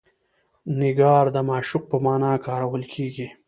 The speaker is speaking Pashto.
نګار د معشوق په معنی کارول کیږي.